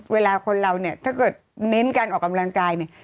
เวลาคนเราเนี่ยถ้าเกิดเน้นการออกกำลังกายเนี่ย